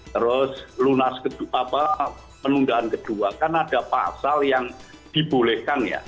terus lunas penundaan kedua kan ada pasal yang dibolehkan ya